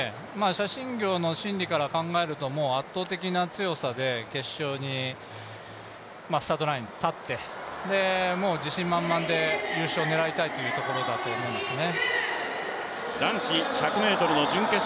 謝震業の心理から考えると圧倒的な強さで決勝にスタートラインに立って自信満々で優勝狙いたいというところだと思いますね。